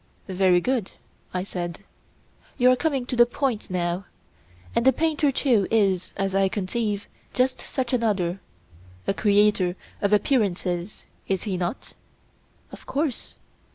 Very good, I said, you are coming to the point now. And the painter too is, as I conceive, just such another—a creator of appearances, is he not? Of course.